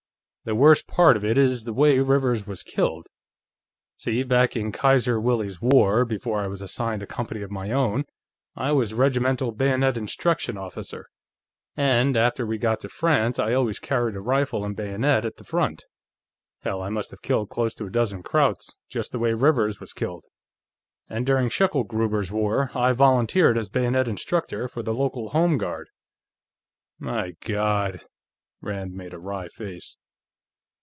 "The worst part of it is the way Rivers was killed. See, back in Kaiser Willie's war, before I was assigned a company of my own, I was regimental bayonet instruction officer. And after we got to France, I always carried a rifle and bayonet at the front; hell, I must have killed close to a dozen Krauts just the way Rivers was killed. And during Schicklgruber's war, I volunteered as bayonet instructor for the local Home Guard." "My God!" Rand made a wry face.